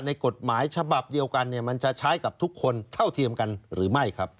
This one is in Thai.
กฎหมายฉบับเดียวกันมันจะใช้กับทุกคนเท่าเทียมกันหรือไม่ครับ